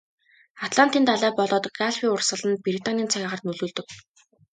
Атлантын далай болоод Галфын урсгал нь Британийн цаг агаарт нөлөөлдөг.